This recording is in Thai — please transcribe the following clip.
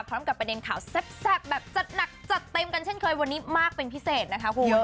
ประเด็นข่าวแซ่บแบบจัดหนักจัดเต็มกันเช่นเคยวันนี้มากเป็นพิเศษนะคะคุณ